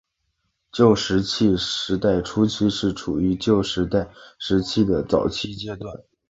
旧石器时代初期是处于旧石器时代的早期阶段。